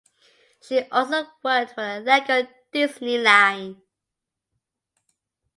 She also worked for the Lego Disney line.